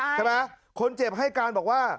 นักเรียงมัธยมจะกลับบ้าน